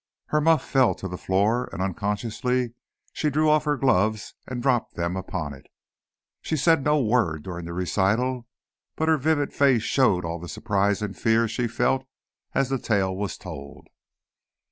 Her muff fell to the floor, and, unconsciously, she drew off her gloves and dropped them upon it. She said no word during the recital, but her vivid face showed all the surprise and fear she felt as the tale was told.